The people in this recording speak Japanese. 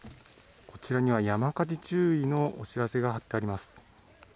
こちらには、山火事注意のお知らせが貼ってあります。